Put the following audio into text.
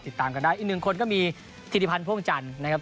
ติดตามกันได้อีกหนึ่งคนก็มีธิริพันธ์พ่วงจันทร์นะครับ